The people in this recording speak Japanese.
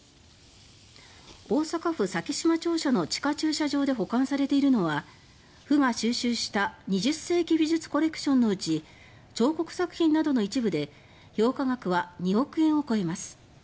大阪府咲洲庁舎の地下駐車場で保管されているのは府が収集した「２０世紀美術コレクション」のうち彫刻作品などの一部で評価額は２億円を超えます。